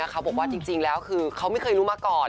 เขาบอกว่าจริงแล้วคือเขาไม่เคยรู้มาก่อน